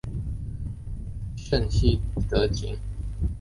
滇西泽芹是伞形科泽芹属的植物。